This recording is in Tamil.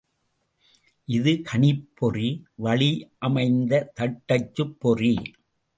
இது கணிப்பொறி வழியமைந்த தட்டச்சுப்பொறி.